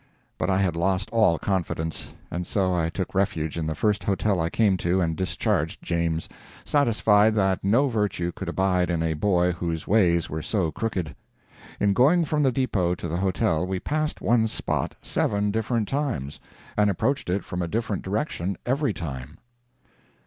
But I had lost all confidence, and so I took refuge in the first hotel I came to and discharged James, satisfied that no virtue could abide in a boy whose ways were so crooked. In going from the depot to the hotel we passed one spot seven different times and approached it from a different direction every time.